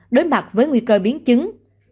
đối mặt với nguy cơ biến chứng